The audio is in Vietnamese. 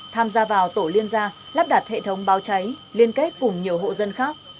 tham gia vào tổ liên gia lắp đặt hệ thống báo cháy liên kết cùng nhiều hộ dân khác